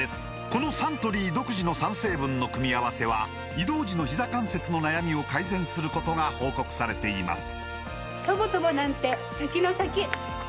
このサントリー独自の３成分の組み合わせは移動時のひざ関節の悩みを改善することが報告されています